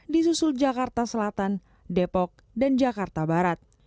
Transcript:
di susul jakarta selatan depok dan jakarta barat